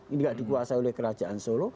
tidak dikuasai oleh kerajaan solo